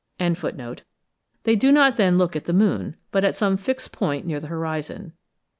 they do not then look at the moon, but at some fixed point near the horizon.